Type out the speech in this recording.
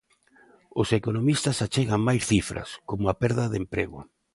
Os economistas achegan máis cifras, como a perda de emprego.